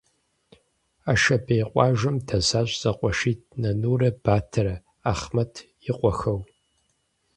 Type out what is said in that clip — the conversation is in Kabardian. Ашабей къуажэм дэсащ зэкъуэшитӀ Нанурэ Батэрэ - Ахъмэт и къуэхэу.